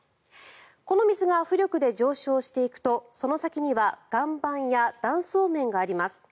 この水が浮力で上昇していくとその先には岩盤や断層面があります。